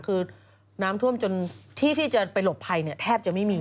คือน้ำท่วมจนที่ที่จะไปหลบภัยแทบจะไม่มี